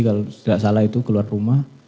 kalau tidak salah itu keluar rumah